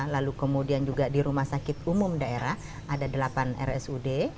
lalu kemudian juga di rumah sakit umum daerah ada delapan rsud